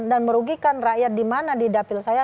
dan merugikan rakyat di mana di dapil saya